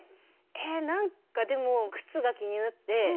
えっなんかでも靴が気になって。